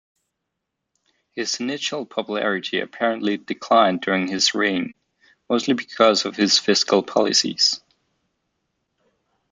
His initial popularity apparently declined during his reign, mostly because of his fiscal policies.